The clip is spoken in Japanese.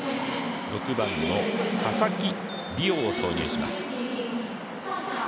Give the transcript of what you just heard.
６番の佐々木里緒を投入します。